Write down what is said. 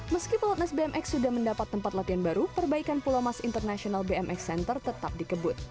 meski pelatnas bmx sudah mendapat tempat latihan baru perbaikan pulau mas international bmx center tetap dikebut